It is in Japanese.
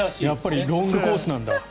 やっぱりロングコースなんだ。